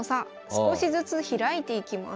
少しずつ開いていきます。